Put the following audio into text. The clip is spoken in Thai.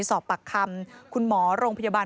สอบปากคำคุณหมอโรงพยาบาล